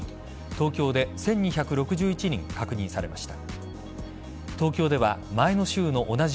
東京で１２６１人確認されました。